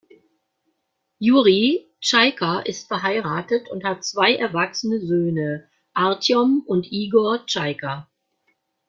Juri Tschaika ist verheiratet und hat zwei erwachsene Söhne, Artjom und Igor Tschaika.